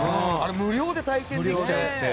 無料で体験できちゃうって。